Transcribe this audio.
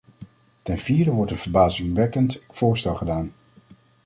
Ten vierde wordt een verbazingwekkend voorstel gedaan.